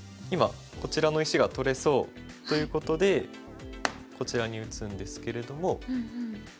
今こちらの石が取れそうということでこちらに打つんですけれども。